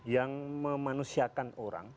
yang memanusiakan orang